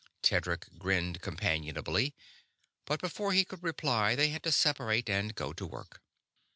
Tedric grinned companionably, but before he could reply they had to separate and go to work.